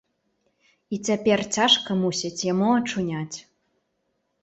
І цяпер цяжка, мусіць, яму ачуняць.